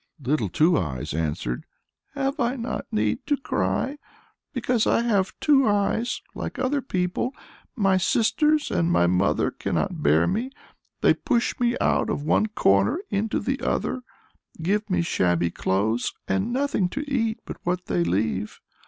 Little Two Eyes answered, "Have I not need to cry? Because I have two eyes, like other people, my sisters and my mother cannot bear me; they push me out of one corner into the other, give me shabby clothes, and nothing to eat but what they leave.